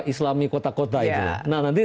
islami kota kota itu nah nanti